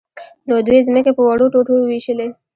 نو دوی ځمکې په وړو ټوټو وویشلې.